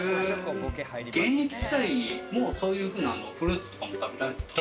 現役時代もそういうふうなフルーツとか食べていたんですか？